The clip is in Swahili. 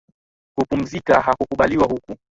Kupumzika hakukubaliwi huku